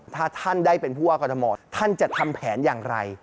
ถ้าท่านได้เป็นผู้ว่ากรทมท่านจะทำแผนอย่างไร